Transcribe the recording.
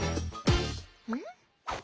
うん？